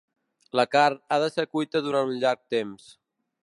La carn ha de ser cuita durant un llarg temps.